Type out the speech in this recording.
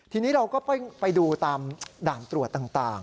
ทีนี้เราก็ไปดูตามด่านตรวจต่าง